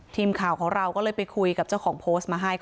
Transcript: ทีมข่าวของเราก็เลยไปคุยกับเจ้าของโพสต์มาให้